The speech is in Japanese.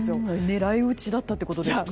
狙い撃ちだったということですね。